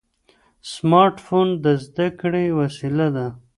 سمارټ فون د زده کړې وسیله ده.